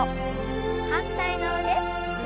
反対の腕。